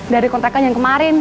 dari kontrakan yang kemarin